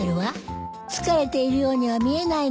疲れているようには見えないのに。